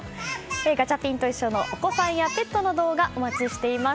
ガチャピンといっしょ！のお子さんやペットの動画お待ちしています。